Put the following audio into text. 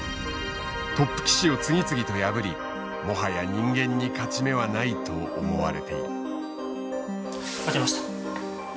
トップ棋士を次々と破りもはや人間に勝ち目はないと思われている。